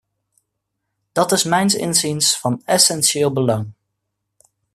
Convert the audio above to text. Dat is mijns inziens van essentieel belang.